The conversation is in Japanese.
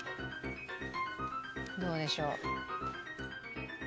どうでしょう？